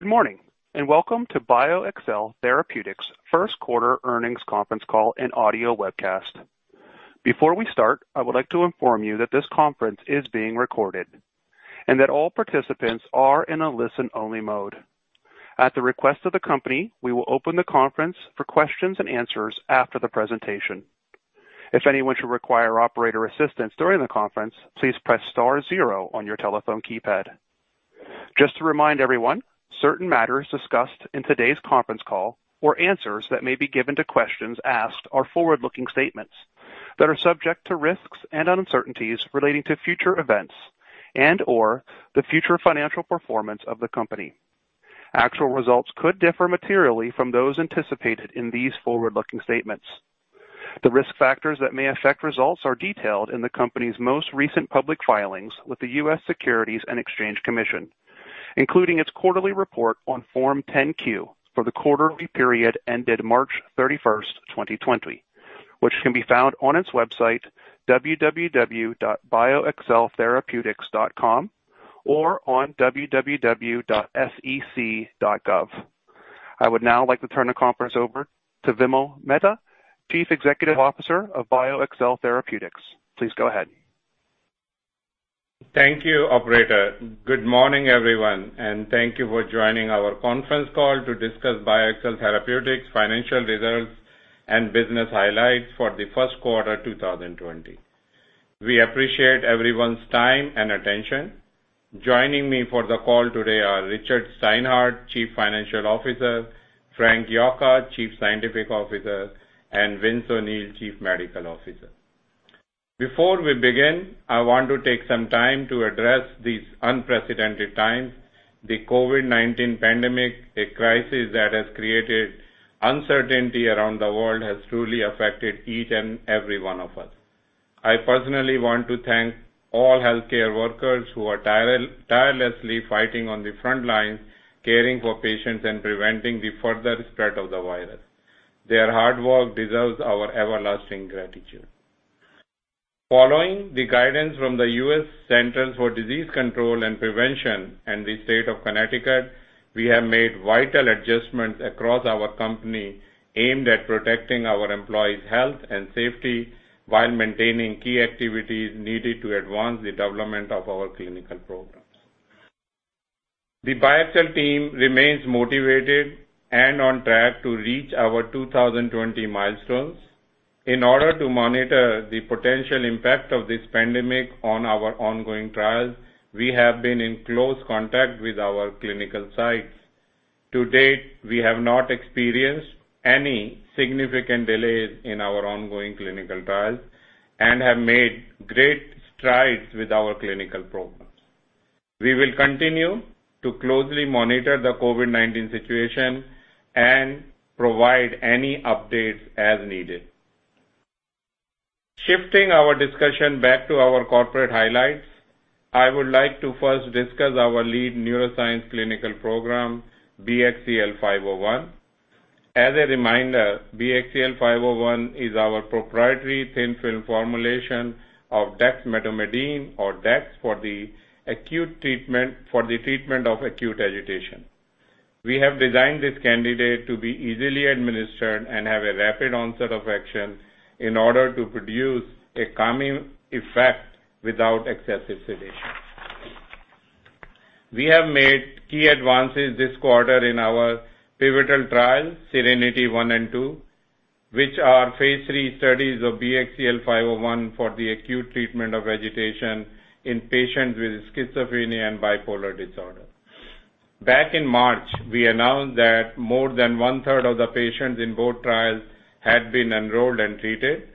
Good morning, and welcome to BioXcel Therapeutics' first quarter earnings conference call and audio webcast. Before we start, I would like to inform you that this conference is being recorded, and that all participants are in a listen-only mode. At the request of the company, we will open the conference for questions and answers after the presentation. If anyone should require operator assistance during the conference, please press star zero on your telephone keypad. Just to remind everyone, certain matters discussed in today's conference call, or answers that may be given to questions asked, are forward-looking statements that are subject to risks and uncertainties relating to future events and/or the future financial performance of the company. Actual results could differ materially from those anticipated in these forward-looking statements. The risk factors that may affect results are detailed in the company's most recent public filings with the U.S. Securities and Exchange Commission, including its quarterly report on Form 10-Q for the quarterly period ended March 31st, 2020, which can be found on its website www.bioxceltherapeutics.com or on www.sec.gov. I would now like to turn the conference over to Vimal Mehta, Chief Executive Officer of BioXcel Therapeutics. Please go ahead. Thank you, operator. Good morning, everyone, and thank you for joining our conference call to discuss BioXcel Therapeutics' financial results and business highlights for the first quarter 2020. We appreciate everyone's time and attention. Joining me for the call today are Richard Steinhart, Chief Financial Officer, Frank Yocca, Chief Scientific Officer, and Vince O'Neill, Chief Medical Officer. Before we begin, I want to take some time to address these unprecedented times. The COVID-19 pandemic, a crisis that has created uncertainty around the world, has truly affected each and every one of us. I personally want to thank all healthcare workers who are tirelessly fighting on the front lines, caring for patients and preventing the further spread of the virus. Their hard work deserves our everlasting gratitude. Following the guidance from the U.S. Centers for Disease Control and Prevention and the State of Connecticut, we have made vital adjustments across our company aimed at protecting our employees' health and safety while maintaining key activities needed to advance the development of our clinical programs. The BioXcel team remains motivated and on track to reach our 2020 milestones. In order to monitor the potential impact of this pandemic on our ongoing trials, we have been in close contact with our clinical sites. To date, we have not experienced any significant delays in our ongoing clinical trials and have made great strides with our clinical programs. We will continue to closely monitor the COVID-19 situation and provide any updates as needed. Shifting our discussion back to our corporate highlights, I would like to first discuss our lead neuroscience clinical program, BXCL501. As a reminder, BXCL501 is our proprietary thin film formulation of dexmedetomidine or dex for the treatment of acute agitation. We have designed this candidate to be easily administered and have a rapid onset of action in order to produce a calming effect without excessive sedation. We have made key advances this quarter in our pivotal trial, SERENITY I and II, which are phase III studies of BXCL501 for the acute treatment of agitation in patients with schizophrenia and bipolar disorder. Back in March, we announced that more than 1/3 of the patients in both trials had been enrolled and treated.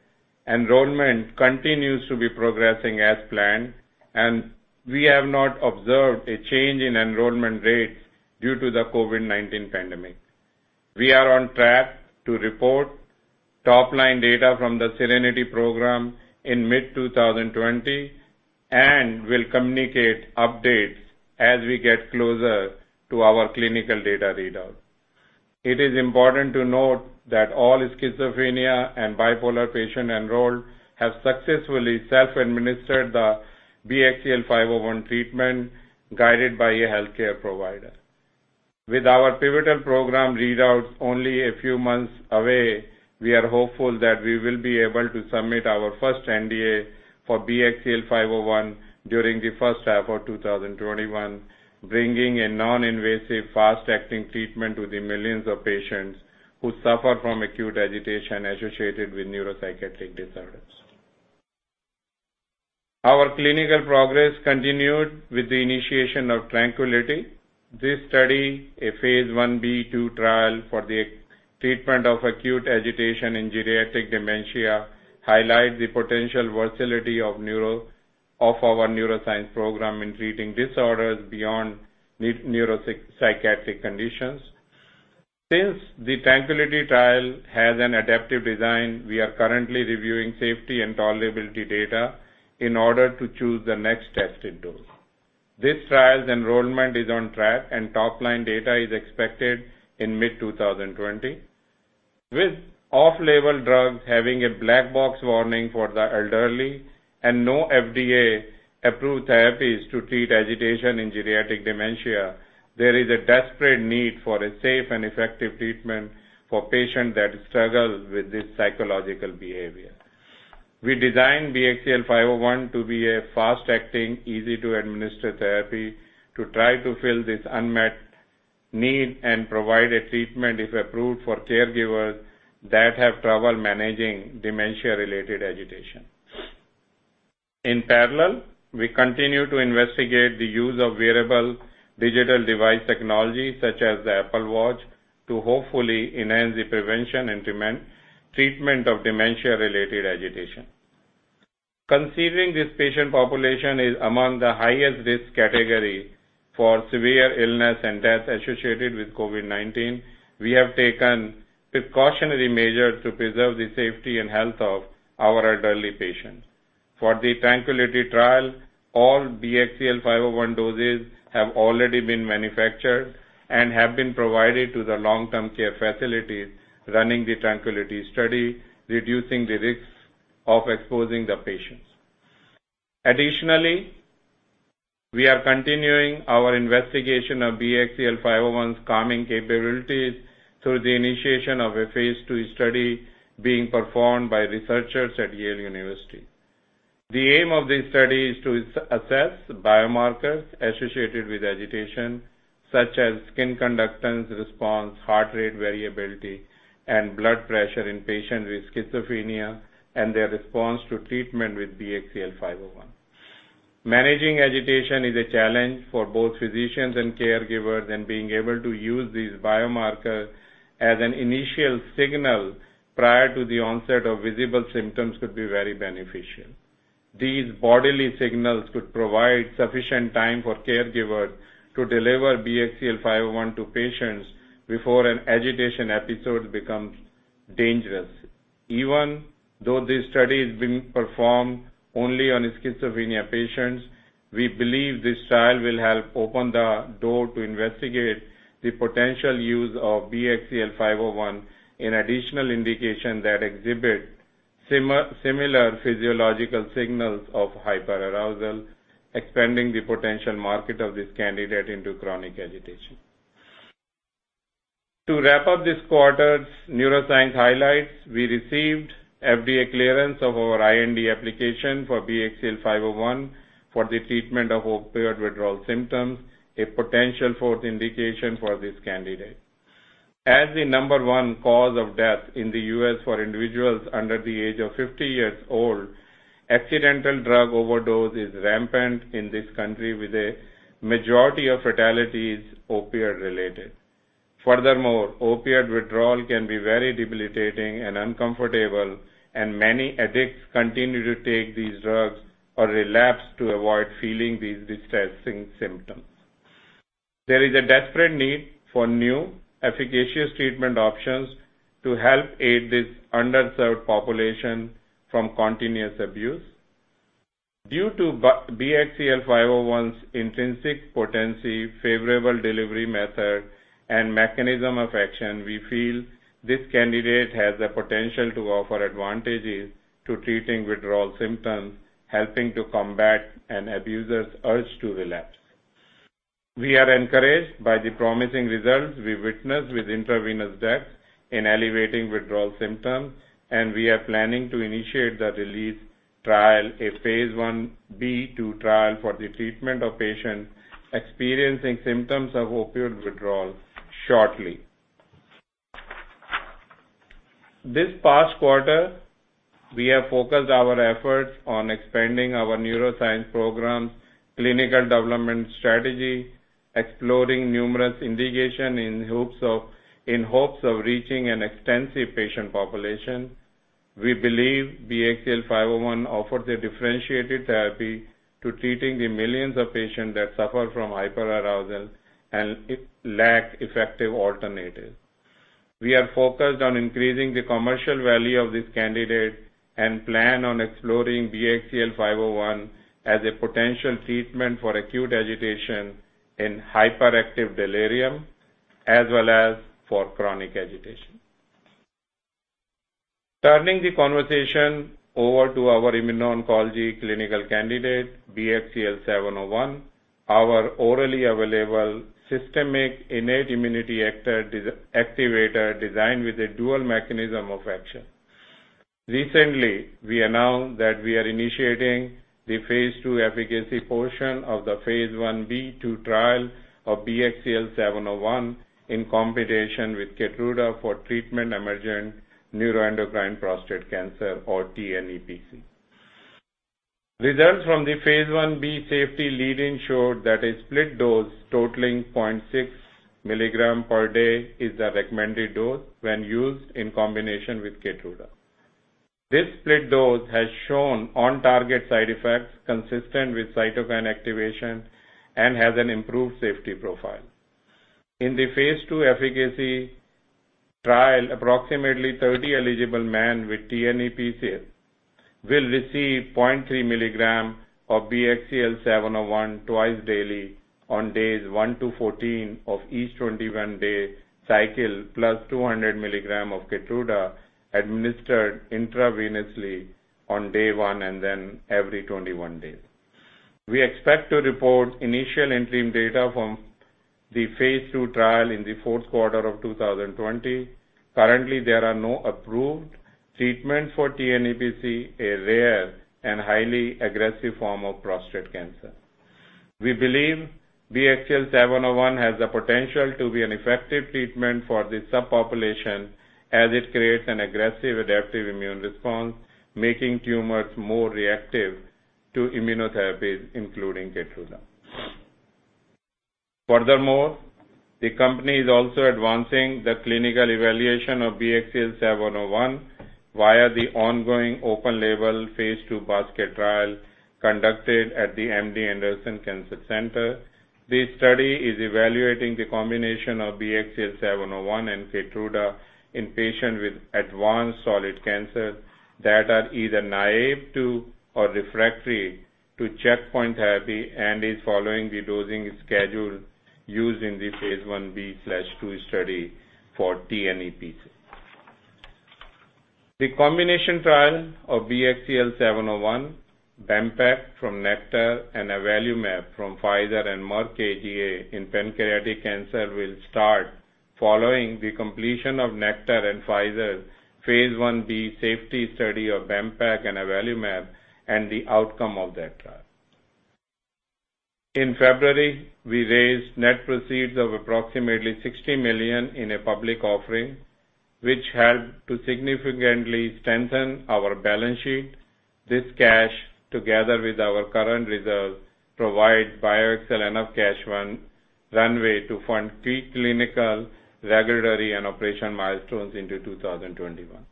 Enrollment continues to be progressing as planned, and we have not observed a change in enrollment rates due to the COVID-19 pandemic. We are on track to report top-line data from the SERENITY program in mid-2020 and will communicate updates as we get closer to our clinical data readout. It is important to note that all schizophrenia and bipolar patients enrolled have successfully self-administered the BXCL501 treatment guided by a healthcare provider. With our pivotal program readouts only a few months away, we are hopeful that we will be able to submit our first NDA for BXCL501 during the first half of 2021, bringing a non-invasive, fast-acting treatment to the millions of patients who suffer from acute agitation associated with neuropsychiatric disorders. Our clinical progress continued with the initiation of TRANQUILITY. This study, a phase I-B/II trial for the treatment of acute agitation in geriatric dementia, highlights the potential versatility of our neuroscience program in treating disorders beyond neuropsychiatric conditions. Since the TRANQUILITY trial has an adaptive design, we are currently reviewing safety and tolerability data in order to choose the next tested dose. This trial's enrollment is on track, and top-line data is expected in mid-2020.With off-label drugs having a black box warning for the elderly and no FDA-approved therapies to treat agitation in geriatric dementia, there is a desperate need for a safe and effective treatment for patients that struggle with this psychological behavior. We designed BXCL501 to be a fast-acting, easy-to-administer therapy to try to fill this unmet need and provide a treatment, if approved, for caregivers that have trouble managing dementia-related agitation. In parallel, we continue to investigate the use of wearable digital device technology, such as the Apple Watch, to hopefully enhance the prevention and treatment of dementia-related agitation. Considering this patient population is among the highest risk category for severe illness and death associated with COVID-19, we have taken precautionary measures to preserve the safety and health of our elderly patients. For the TRANQUILITY trial, all BXCL501 doses have already been manufactured and have been provided to the long-term care facilities running the TRANQUILITY study, reducing the risks of exposing the patients. We are continuing our investigation of BXCL501's calming capabilities through the initiation of a phase II study being performed by researchers at Yale University. The aim of this study is to assess biomarkers associated with agitation, such as skin conductance response, heart rate variability, and blood pressure in patients with schizophrenia and their response to treatment with BXCL501. Managing agitation is a challenge for both physicians and caregivers, and being able to use these biomarkers as an initial signal prior to the onset of visible symptoms could be very beneficial. These bodily signals could provide sufficient time for caregivers to deliver BXCL501 to patients before an agitation episode becomes dangerous. Even though this study is being performed only on schizophrenia patients, we believe this trial will help open the door to investigate the potential use of BXCL501 in additional indications that exhibit similar physiological signals of hyperarousal, expanding the potential market of this candidate into chronic agitation. To wrap up this quarter's neuroscience highlights, we received FDA clearance of our IND application for BXCL501 for the treatment of opioid withdrawal symptoms, a potential fourth indication for this candidate. As the number one cause of death in the U.S. for individuals under the age of 50 years old, accidental drug overdose is rampant in this country with a majority of fatalities opioid-related. Opioid withdrawal can be very debilitating and uncomfortable, and many addicts continue to take these drugs or relapse to avoid feeling these distressing symptoms. There is a desperate need for new, efficacious treatment options to help aid this underserved population from continuous abuse. Due to BXCL501's intrinsic potency, favorable delivery method, and mechanism of action, we feel this candidate has the potential to offer advantages to treating withdrawal symptoms, helping to combat an abuser's urge to relapse. We are encouraged by the promising results we witnessed with intravenous drugs in alleviating withdrawal symptoms, and we are planning to initiate the RELEASE trial, a Phase I-B/II trial for the treatment of patients experiencing symptoms of opioid withdrawal shortly. This past quarter, we have focused our efforts on expanding our neuroscience program's clinical development strategy, exploring numerous indications in hopes of reaching an extensive patient population. We believe BXCL501 offers a differentiated therapy to treating the millions of patients that suffer from hyperarousal and lack effective alternatives. We are focused on increasing the commercial value of this candidate and plan on exploring BXCL501 as a potential treatment for acute agitation in hyperactive delirium, as well as for chronic agitation. Turning the conversation over to our immuno-oncology clinical candidate, BXCL701, our orally available systemic innate immunity activator designed with a dual mechanism of action. Recently, we announced that we are initiating the phase II efficacy portion of the phase I-B/II trial of BXCL701 in combination with KEYTRUDA for treatment-emergent neuroendocrine prostate cancer or tNEPC. Results from the phase I-B safety lead-in showed that a split dose totaling 0.6 mg per day is the recommended dose when used in combination with KEYTRUDA. This split dose has shown on-target side effects consistent with cytokine activation and has an improved safety profile. In the phase II efficacy trial, approximately 30 eligible men with tNEPC will receive 0.3 mg of BXCL701 twice daily on days 1-14 of each 21-day cycle, plus 200 mg of KEYTRUDA administered intravenously on day one, and then every 21 days. We expect to report initial interim data from the phase II trial in the fourth quarter of 2020. Currently, there are no approved treatments for tNEPC, a rare and highly aggressive form of prostate cancer. We believe BXCL701 has the potential to be an effective treatment for this subpopulation, as it creates an aggressive adaptive immune response, making tumors more reactive to immunotherapies, including KEYTRUDA. Furthermore, the company is also advancing the clinical evaluation of BXCL701 via the ongoing open label phase II basket trial conducted at the MD Anderson Cancer Center. This study is evaluating the combination of BXCL701 and KEYTRUDA in patients with advanced solid cancer that are either naive to or refractory to checkpoint therapy, and is following the dosing schedule used in the phase I-B/II study for tNEPC. The combination trial of BXCL701, Bempeg from Nektar, and avelumab from Pfizer and Merck KGaA in pancreatic cancer will start following the completion of Nektar and Pfizer's phase I-B safety study of Bempeg and avelumab. The outcome of that trial. In February, we raised net proceeds of approximately $60 million in a public offering, which helped to significantly strengthen our balance sheet. This cash, together with our current reserves, provide BioXcel enough cash runway to fund pre-clinical regulatory and operational milestones into 2021.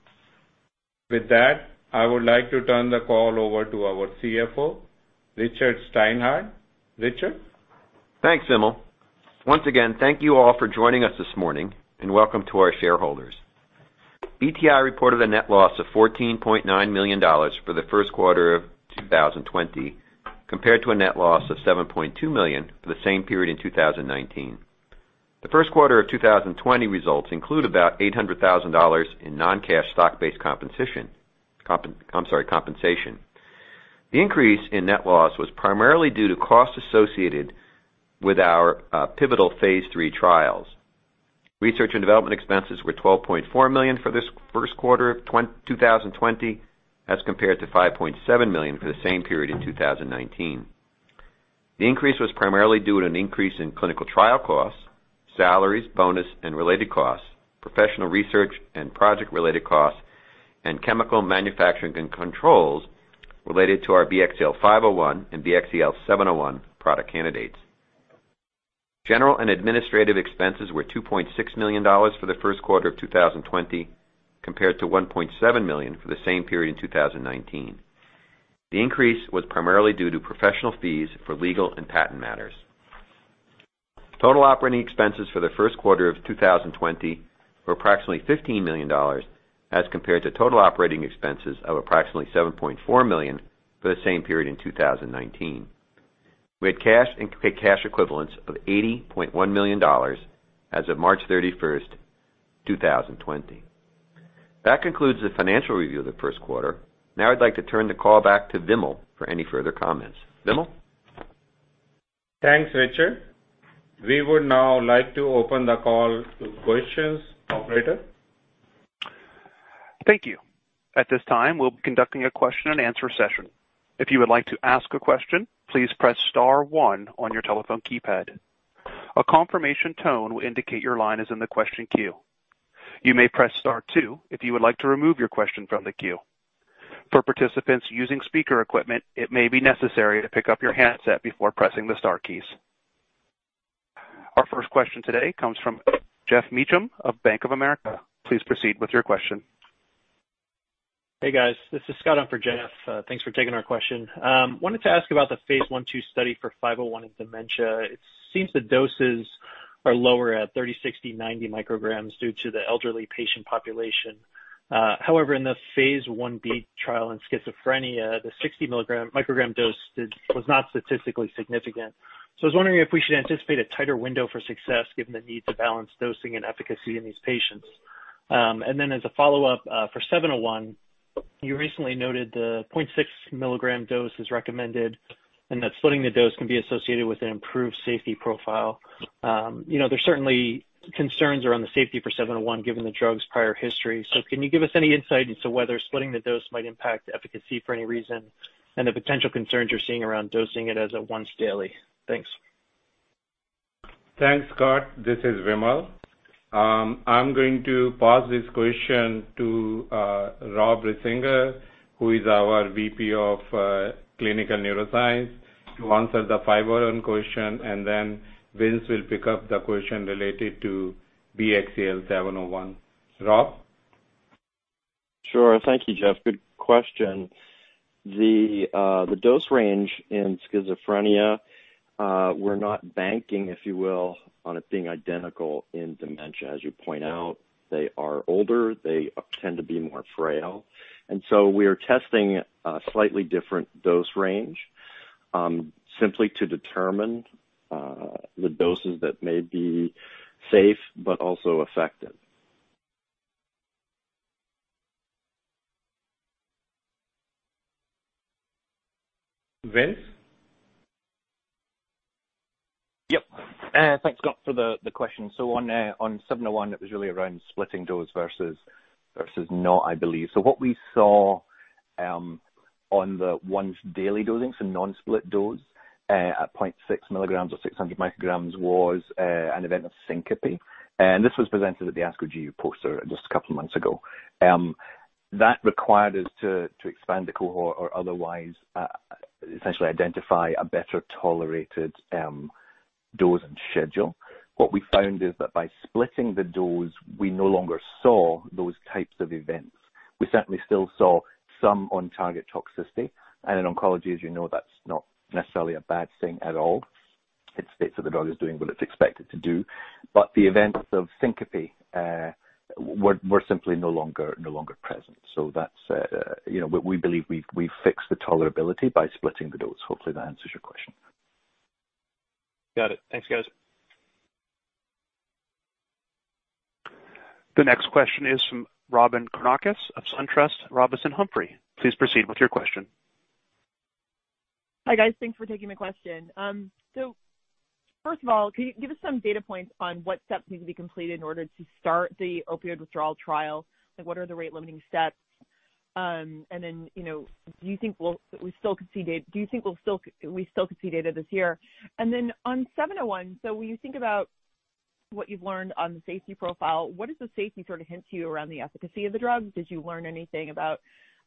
With that, I would like to turn the call over to our CFO, Richard Steinhart. Richard? Thanks, Vimal. Once again, thank you all for joining us this morning, and welcome to our shareholders. BTAI reported a net loss of $14.9 million for the first quarter of 2020, compared to a net loss of $7.2 million for the same period in 2019. The first quarter of 2020 results include about $800,000 in non-cash stock-based compensation. The increase in net loss was primarily due to costs associated with our pivotal Phase III trials. Research and development expenses were $12.4 million for this first quarter of 2020 as compared to $5.7 million for the same period in 2019. The increase was primarily due to an increase in clinical trial costs, salaries, bonus, and related costs, professional research, and project related costs, and chemical manufacturing and controls related to our BXCL501 and BXCL701 product candidates. General and administrative expenses were $2.6 million for the first quarter of 2020, compared to $1.7 million for the same period in 2019. The increase was primarily due to professional fees for legal and patent matters. Total operating expenses for the first quarter of 2020 were approximately $15 million as compared to total operating expenses of approximately $7.4 million for the same period in 2019. We had cash and cash equivalents of $80.1 million as of March 31st, 2020. That concludes the financial review of the first quarter. Now I'd like to turn the call back to Vimal for any further comments. Vimal? Thanks, Richard. We would now like to open the call to questions. Operator? Thank you. At this time, we'll be conducting a question-and-answer session. If you would like to ask a question, please press star one on your telephone keypad. A confirmation tone will indicate your line is in the question queue. You may press star two if you would like to remove your question from the queue. For participants using speaker equipment, it may be necessary to pick up your handset before pressing the star keys. Our first question today comes from Geoff Meacham of Bank of America. Please proceed with your question. Hey, guys. This is Scott on for Geoff. Thanks for taking our question. Wanted to ask about the phase I-B/II study for BXCL501 in dementia. It seems the doses are lower at 30, 60, 90 micrograms due to the elderly patient population. In the phase I-B trial in schizophrenia, the 60-microgram dose was not statistically significant. I was wondering if we should anticipate a tighter window for success given the need to balance dosing and efficacy in these patients. As a follow-up, for BXCL701, you recently noted the 0.6 mg dose is recommended and that splitting the dose can be associated with an improved safety profile. There's certainly concerns around the safety for BXCL701 given the drug's prior history. Can you give us any insight into whether splitting the dose might impact efficacy for any reason and the potential concerns you're seeing around dosing it as a once daily? Thanks. Thanks, Scott. This is Vimal. I'm going to pass this question to Rob Risinger, who is our VP of Clinical Neuroscience, to answer the 501 question, and then Vince will pick up the question related to BXCL701. Rob? Sure. Thank you, Scott. Good question. The dose range in schizophrenia. We're not banking, if you will, on it being identical in dementia. As you point out, they are older, they tend to be more frail, and so we are testing a slightly different dose range, simply to determine the doses that may be safe but also effective. Vince? Yep. Thanks, Scott, for the question. On 701, it was really around splitting dose versus not, I believe. What we saw on the once-daily dosing, non-split dose at 0.6 mg or 600 micrograms was an event of syncope, and this was presented at the ASCO GU poster just a couple of months ago. That required us to expand the cohort or otherwise essentially identify a better-tolerated dose and schedule. What we found is that by splitting the dose, we no longer saw those types of events. We certainly still saw some on-target toxicity. In oncology, as you know, that's not necessarily a bad thing at all. It states that the drug is doing what it's expected to do, but the events of syncope were simply no longer present. We believe we've fixed the tolerability by splitting the dose. Hopefully, that answers your question. Got it. Thanks, guys. The next question is from Robyn Karnauskas of SunTrust Robinson Humphrey. Please proceed with your question. Hi, guys. Thanks for taking my question. First of all, can you give us some data points on what steps need to be completed in order to start the opioid withdrawal trial? Like, what are the rate-limiting steps? Do you think we'll still could see data this year? On 701, when you think about what you've learned on the safety profile, what does the safety sort of hint to you around the efficacy of the drug? Did you learn anything about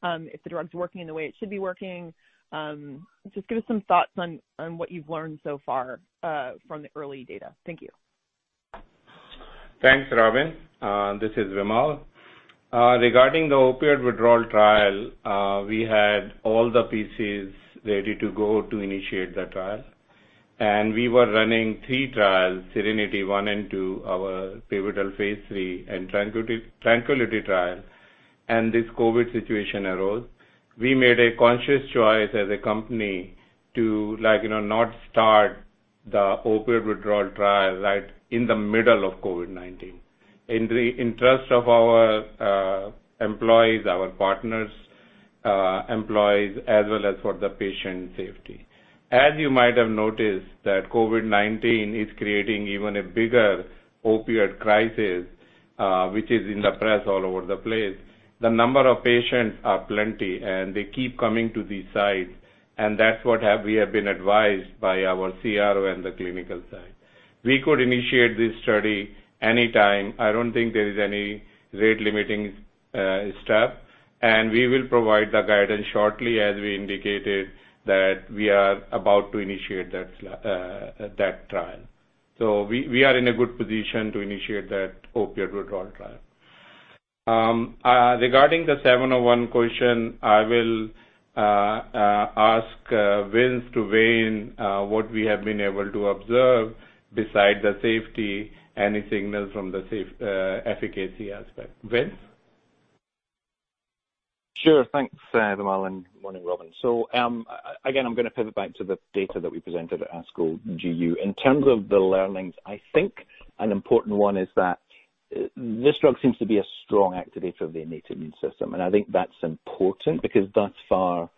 if the drug's working in the way it should be working? Just give us some thoughts on what you've learned so far from the early data. Thank you. Thanks, Robyn. This is Vimal. Regarding the opioid withdrawal trial, we had all the pieces ready to go to initiate the trial. We were running three trials, SERENITY I and II, our pivotal Phase III, and TRANQUILITY trial, and this COVID-19 situation arose. We made a conscious choice as a company to not start the opioid withdrawal trial right in the middle of COVID-19, in the interest of our employees, our partners' employees, as well as for the patient safety. As you might have noticed, that COVID-19 is creating even a bigger opioid crisis, which is in the press all over the place. The number of patients are plenty, and they keep coming to these sites, and that's what we have been advised by our CRO and the clinical site. We could initiate this study anytime. I don't think there is any rate limiting step, and we will provide the guidance shortly as we indicated that we are about to initiate that trial. We are in a good position to initiate that opioid withdrawal trial. Regarding the 701 question, I will ask Vince to weigh in what we have been able to observe beside the safety, any signals from the efficacy aspect. Vince? Sure. Thanks, Vimal. Morning, Robyn. Again, I'm going to pivot back to the data that we presented at ASCO GU. In terms of the learnings, I think an important one is that this drug seems to be a strong activator of the innate immune system. I think that's important because thus far,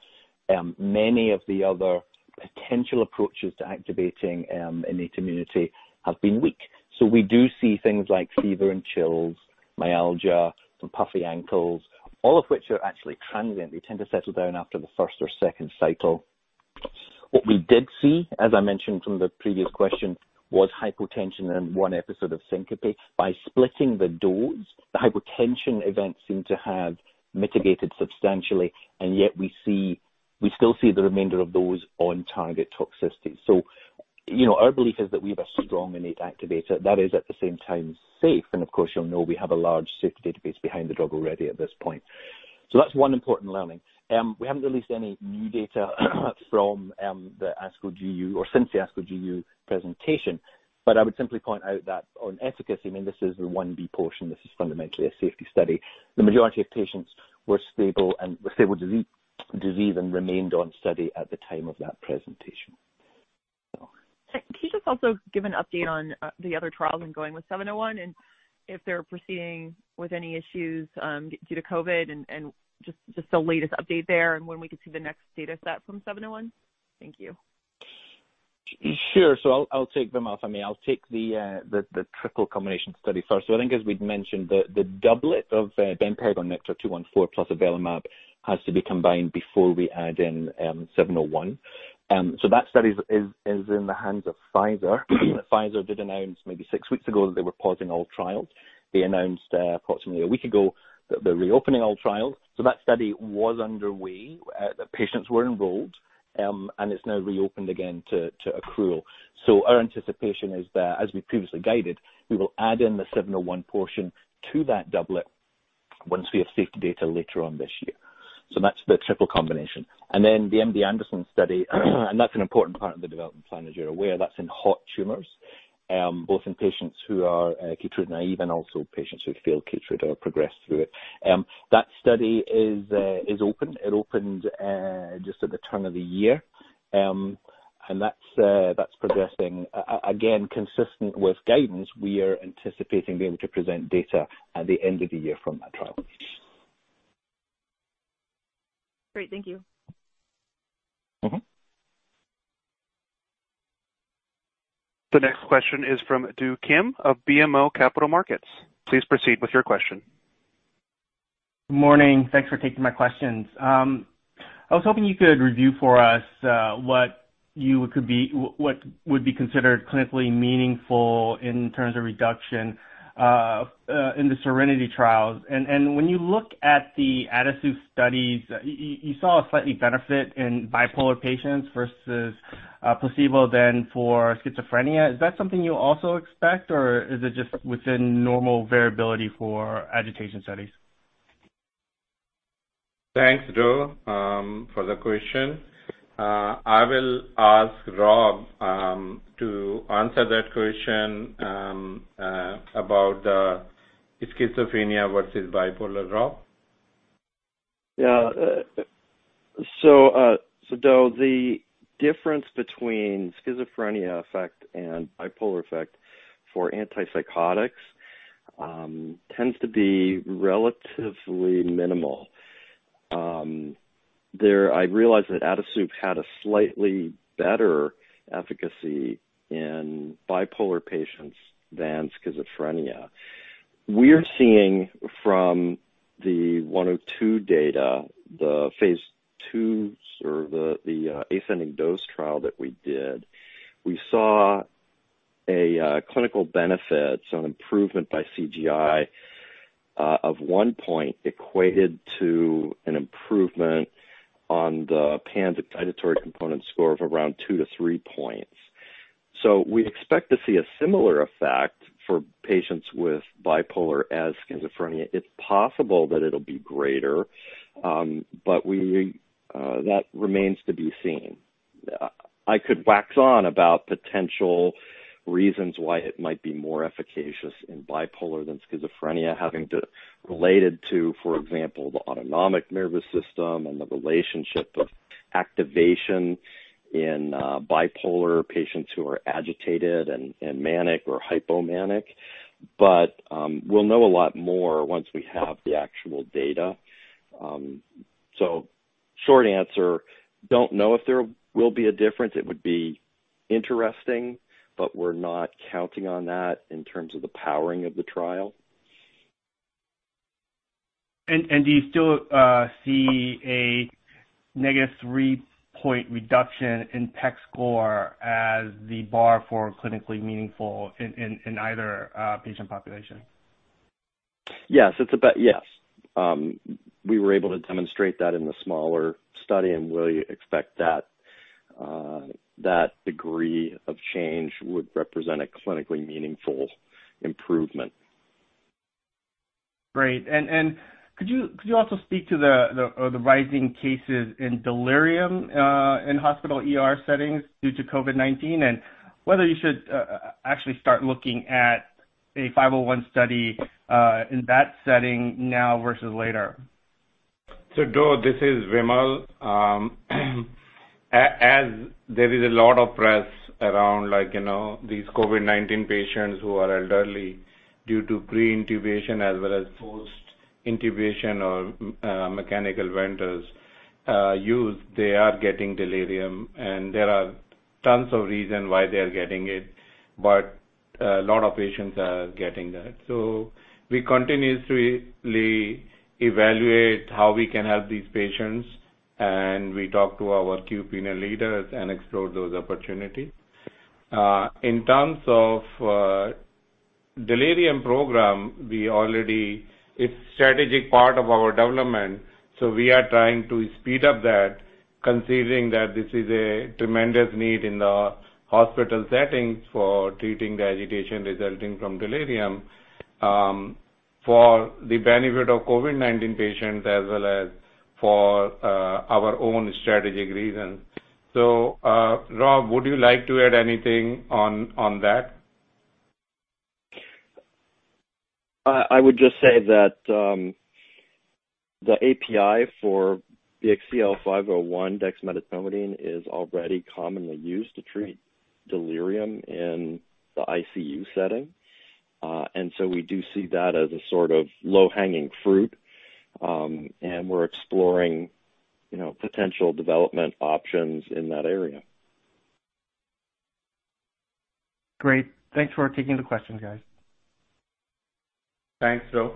many of the other potential approaches to activating innate immunity have been weak. We do see things like fever and chills, myalgia, some puffy ankles, all of which are actually transient. They tend to settle down after the first or second cycle. What we did see, as I mentioned from the previous question, was hypotension and one episode of syncope. By splitting the dose, the hypotension events seem to have mitigated substantially. Yet we still see the remainder of those on target toxicities. Our belief is that we have a strong innate activator that is at the same time safe, and of course, you'll know we have a large safety database behind the drug already at this point. That's one important learning. We haven't released any new data from the ASCO GU or since the ASCO GU presentation, I would simply point out that on efficacy, I mean, this is the I-B portion. This is fundamentally a safety study. The majority of patients were stable disease and remained on study at the time of that presentation. Can you just also give an update on the other trials and going with 701 and if they're proceeding with any issues due to COVID-19 and just the latest update there and when we can see the next data set from 701? Thank you. Sure. I'll take, Vimal, for me, I'll take the triple combination study first. I think as we'd mentioned, the doublet of bempegaldesleukin NKTR-214 plus avelumab has to be combined before we add in BXCL701. That study is in the hands of Pfizer. Pfizer did announce maybe six weeks ago that they were pausing all trials. They announced approximately one week ago that they're reopening all trials. That study was underway. The patients were enrolled, and it's now reopened again to accrual. Our anticipation is that, as we previously guided, we will add in the BXCL701 portion to that doublet once we have safety data later on this year. That's the triple combination. The MD Anderson study, and that's an important part of the development plan, as you're aware. That's in hot tumors, both in patients who are KEYTRUDA naive and also patients who fail KEYTRUDA or progress through it. That study is open. It opened just at the turn of the year. That's progressing. Again, consistent with guidance, we are anticipating being able to present data at the end of the year from that trial. Great. Thank you. The next question is from Do Kim of BMO Capital Markets. Please proceed with your question. Morning. Thanks for taking my questions. I was hoping you could review for us what would be considered clinically meaningful in terms of reduction in the SERENITY trials. When you look at the ADASUVE studies, you saw a slightly benefit in bipolar patients versus placebo then for schizophrenia. Is that something you also expect, or is it just within normal variability for agitation studies? Thanks, Do, for the question. I will ask Rob to answer that question about the schizophrenia versus bipolar. Rob? Do, the difference between schizophrenia effect and bipolar effect for antipsychotics tends to be relatively minimal. I realize that ADASUVE had a slightly better efficacy in bipolar patients than schizophrenia. We're seeing from the Study 102 data, the phase II or the ascending dose trial that we did, we saw a clinical benefit, so an improvement by CGI, of one point equated to an improvement on the PANSS excitatory component score of around 2-3 points. We expect to see a similar effect for patients with bipolar as schizophrenia. It's possible that it'll be greater, but that remains to be seen. I could wax on about potential reasons why it might be more efficacious in bipolar than schizophrenia having to related to, for example, the autonomic nervous system and the relationship of activation in bipolar patients who are agitated and manic or hypomanic. We'll know a lot more once we have the actual data. Short answer, don't know if there will be a difference. It would be interesting, but we're not counting on that in terms of the powering of the trial. Do you still see a -3 point reduction in PEC score as the bar for clinically meaningful in either patient population? Yes. We were able to demonstrate that in the smaller study, and we expect that degree of change would represent a clinically meaningful improvement. Great. Could you also speak to the rising cases in delirium in hospital ER settings due to COVID-19 and whether you should actually start looking at a 501 study in that setting now versus later? Do, this is Vimal. As there is a lot of press around these COVID-19 patients who are elderly due to pre-intubation as well as post intubation or mechanical ventilators used. They are getting delirium, and there are tons of reason why they are getting it. A lot of patients are getting that. We continuously evaluate how we can help these patients, and we talk to our key opinion leaders and explore those opportunities. In terms of delirium program, it's strategic part of our development. We are trying to speed up that, considering that this is a tremendous need in the hospital settings for treating the agitation resulting from delirium for the benefit of COVID-19 patients as well as for our own strategic reasons. Rob, would you like to add anything on that? I would just say that the API for BXCL501 dexmedetomidine is already commonly used to treat delirium in the ICU setting. We do see that as a sort of low-hanging fruit. We're exploring potential development options in that area. Great. Thanks for taking the questions, guys. Thanks, Do.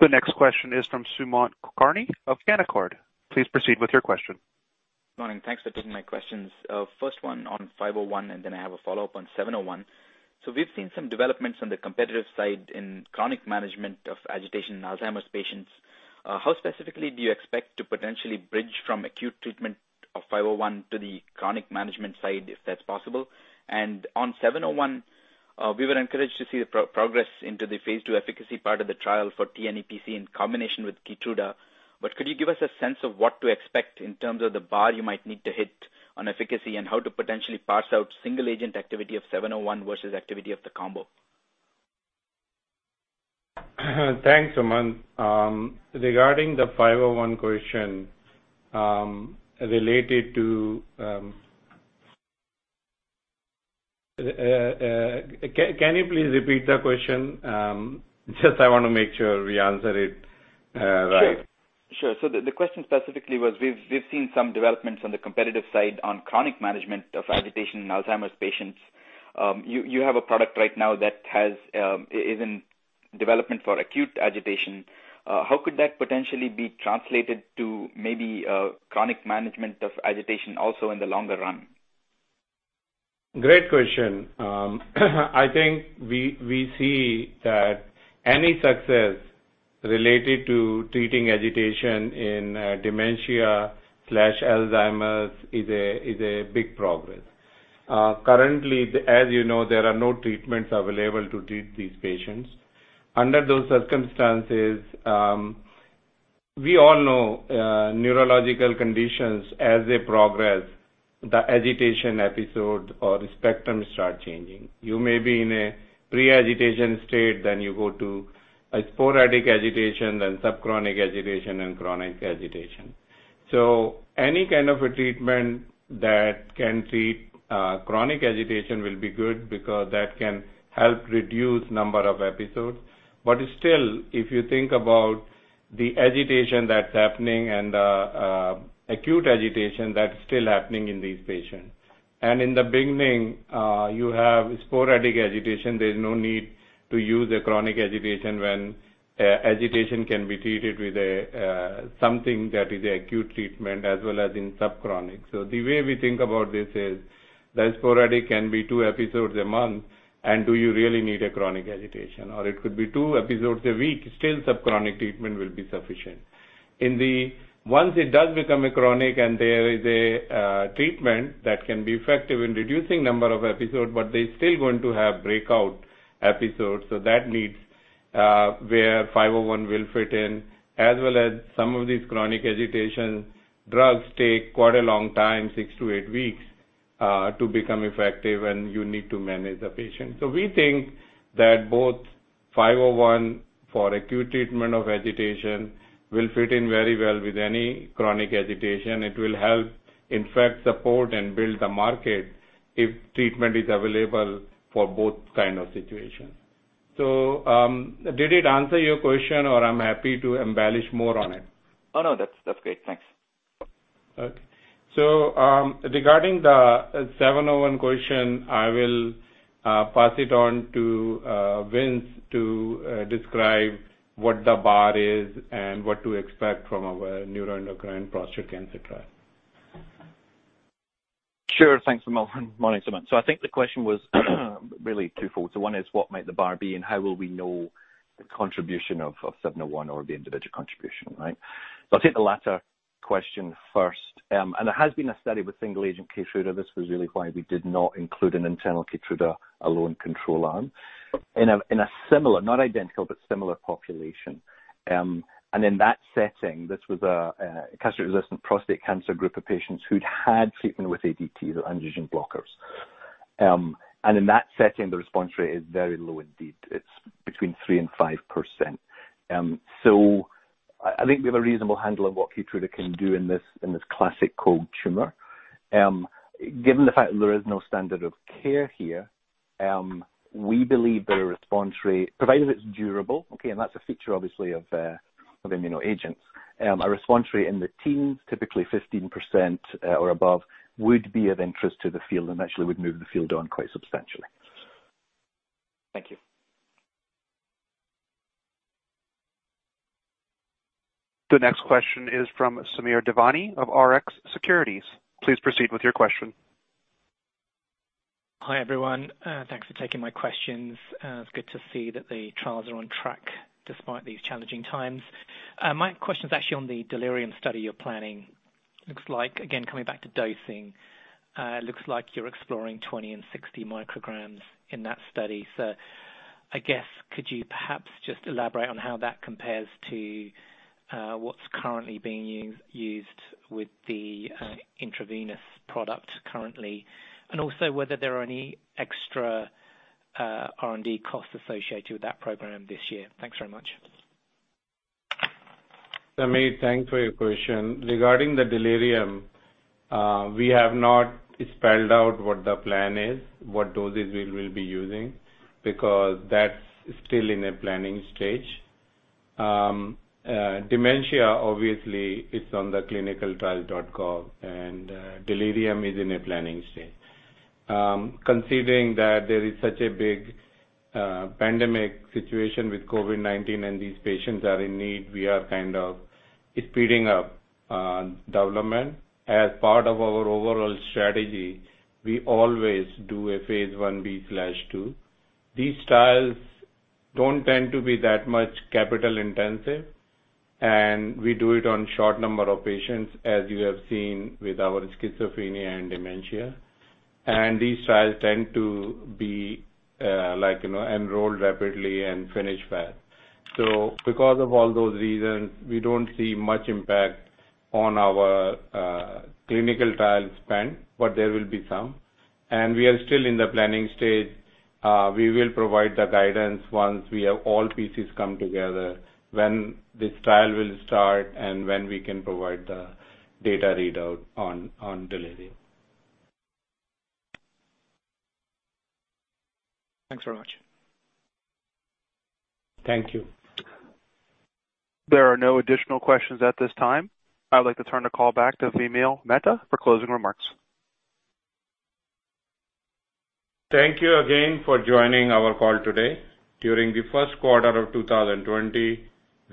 The next question is from Sumant Kulkarni of Canaccord. Please proceed with your question. Morning. Thanks for taking my questions. First one on 501, then I have a follow-up on 701. We've seen some developments on the competitive side in chronic management of agitation in Alzheimer's patients. How specifically do you expect to potentially bridge from acute treatment of 501 to the chronic management side, if that's possible? On 701, we were encouraged to see the progress into the phase II efficacy part of the trial for tNEPC in combination with KEYTRUDA. Could you give us a sense of what to expect in terms of the bar you might need to hit on efficacy, and how to potentially parse out single agent activity of 701 versus activity of the combo? Thanks, Sumant. Regarding the 501 question, Can you please repeat the question? Just I want to make sure we answer it right. Sure. The question specifically was, we've seen some developments on the competitive side on chronic management of agitation in Alzheimer's patients. You have a product right now that is in development for acute agitation. How could that potentially be translated to maybe chronic management of agitation also in the longer run? Great question. I think we see that any success related to treating agitation in dementia/Alzheimer's is a big progress. Currently, as you know, there are no treatments available to treat these patients. Under those circumstances, we all know neurological conditions as they progress, the agitation episode or spectrum start changing. You may be in a pre-agitation state, then you go to a sporadic agitation, then subchronic agitation, and chronic agitation. Any kind of a treatment that can treat chronic agitation will be good, because that can help reduce number of episodes. Still, if you think about the agitation that's happening and the acute agitation that's still happening in these patients. In the beginning, you have sporadic agitation. There's no need to use a chronic agitation when agitation can be treated with something that is acute treatment as well as in subchronic. The way we think about this is, the sporadic can be two episodes a month, and do you really need a chronic agitation? It could be two episodes a week, still subchronic treatment will be sufficient. Once it does become a chronic and there is a treatment that can be effective in reducing number of episodes, but they're still going to have breakout episodes, that needs where BXCL501 will fit in. Some of these chronic agitation drugs take quite a long time, six to eight weeks, to become effective, and you need to manage the patient. We think that both BXCL501 for acute treatment of agitation will fit in very well with any chronic agitation. It will help, in fact, support and build the market if treatment is available for both kind of situations. Did it answer your question, or I'm happy to embellish more on it? Oh, no. That's great. Thanks. Okay. Regarding the 701 question, I will pass it on to Vince to describe what the bar is and what to expect from our neuroendocrine prostate cancer trial. Sure. Thanks, Vimal. Morning, Sumant. I think the question was really twofold. One is, what might the bar be and how will we know the contribution of 701 or the individual contribution, right? I'll take the latter question first. There has been a study with single agent KEYTRUDA. This was really why we did not include an internal KEYTRUDA alone control arm. In a similar, not identical, but similar population. In that setting, this was a castrate-resistant prostate cancer group of patients who'd had treatment with ADT, so androgen blockers. In that setting, the response rate is very low indeed. It's between 3% and 5%. I think we have a reasonable handle on what KEYTRUDA can do in this classic cold tumor. Given the fact that there is no standard of care here, we believe that a response rate, provided it's durable, okay, and that's a feature obviously of immuno agents. A response rate in the teens, typically 15% or above, would be of interest to the field and actually would move the field on quite substantially. Thank you. The next question is from Samir Devani of Rx Securities. Please proceed with your question. Hi, everyone. Thanks for taking my questions. It's good to see that the trials are on track despite these challenging times. My question is actually on the delirium study you're planning. Looks like, again, coming back to dosing, looks like you're exploring 20 and 60 micrograms in that study. I guess, could you perhaps just elaborate on how that compares to what's currently being used with the intravenous product currently? Also, whether there are any extra R&D costs associated with that program this year. Thanks very much. Samir, thanks for your question. Regarding the delirium, we have not spelled out what the plan is, what doses we will be using, because that's still in a planning stage. Dementia, obviously, is on the clinicaltrial.gov, and delirium is in a planning stage. Considering that there is such a big pandemic situation with COVID-19 and these patients are in need, we are kind of speeding up development. As part of our overall strategy, we always do a phase I-B/II. These trials don't tend to be that much capital intensive, and we do it on short number of patients, as you have seen with our schizophrenia and dementia. These trials tend to be enrolled rapidly and finish fast. Because of all those reasons, we don't see much impact on our clinical trial spend, but there will be some. We are still in the planning stage. We will provide the guidance once we have all pieces come together, when this trial will start and when we can provide the data readout on delirium. Thanks very much. Thank you. There are no additional questions at this time. I'd like to turn the call back to Vimal Mehta for closing remarks. Thank you again for joining our call today. During the first quarter of 2020,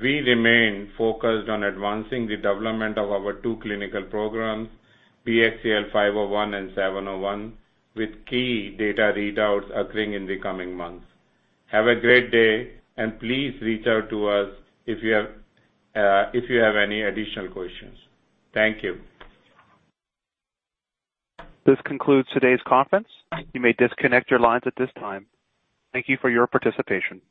we remain focused on advancing the development of our two clinical programs, BXCL501 and 701, with key data readouts occurring in the coming months. Have a great day, and please reach out to us if you have any additional questions. Thank you. This concludes today's conference. You may disconnect your lines at this time. Thank you for your participation.